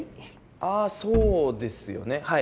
ああそうですよねはい。